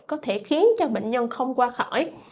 có thể khiến cho bệnh nhân không qua khỏi